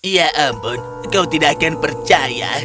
ya ampun kau tidak akan percaya